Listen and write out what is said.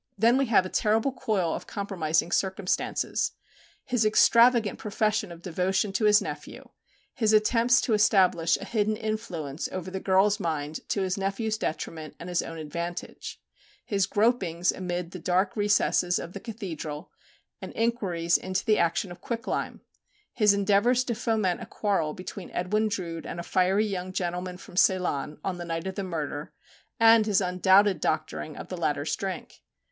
Then we have a terrible coil of compromising circumstances: his extravagant profession of devotion to his nephew, his attempts to establish a hidden influence over the girl's mind to his nephew's detriment and his own advantage, his gropings amid the dark recesses of the Cathedral and inquiries into the action of quicklime, his endeavours to foment a quarrel between Edwin Drood and a fiery young gentleman from Ceylon, on the night of the murder, and his undoubted doctoring of the latter's drink.